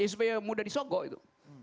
supaya mudah disogok itu